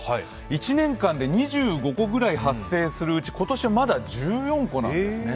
１年間で２５個ぐらい発生するうち、今年はまだ１４個なんですね。